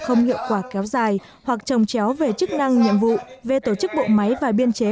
không hiệu quả kéo dài hoặc trồng chéo về chức năng nhiệm vụ về tổ chức bộ máy và biên chế